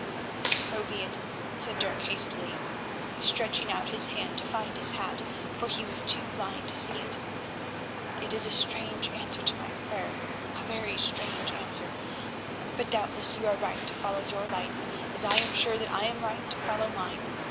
"So be it," said Dirk hastily, stretching out his hand to find his hat, for he was too blind to see. "It is a strange answer to my prayer, a very strange answer; but doubtless you are right to follow your lights as I am sure that I am right to follow mine.